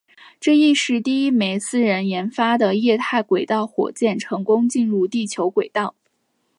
这亦是第一枚私人研发的液态轨道火箭成功进入地球轨道。